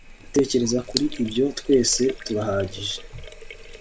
ndatekereza kuri ibyo twese turahagije